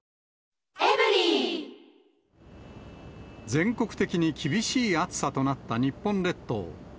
全国的に厳しい暑さとなった日本列島。